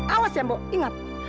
awas ya mbok ingat